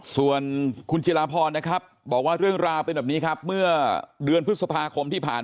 ส่วนคุณจิลาพรนะครับบอกว่าเรื่องราวเป็นแบบนี้ครับเมื่อเดือนพฤษภาคมที่ผ่าน